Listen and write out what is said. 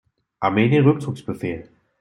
Armee den Rückzugsbefehl.